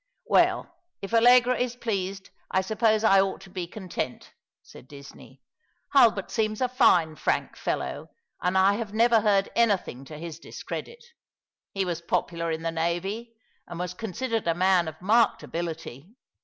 " Well, if Allegra is pleased, I suppose I ought to bo content," said Disney. " Hulbert seems a fine, frank fellow, and I have never heard anything to his discredit. He was popular in the navy, and was considered a man of marked ability.